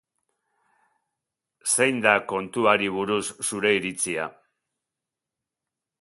Zein da kontuari buruz zure iritzia?